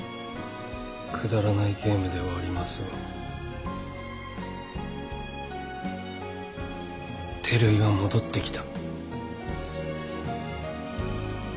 くだらないゲームではありますが照井は戻ってきた。